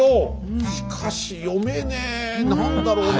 しかし読めねえ何だろうなあ。